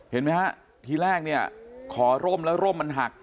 เห็นไหมฮะทีแรกเนี่ยขอร่มแล้วร่มมันหัก